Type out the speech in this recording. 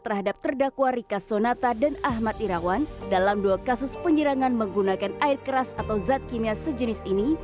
terhadap terdakwa rika sonata dan ahmad irawan dalam dua kasus penyerangan menggunakan air keras atau zat kimia sejenis ini